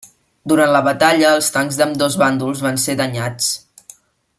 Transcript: Durant la batalla els tancs d'ambdós bàndols van ser danyats.